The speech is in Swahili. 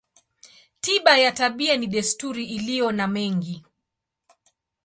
Tiba ya tabia ni desturi iliyo na mengi.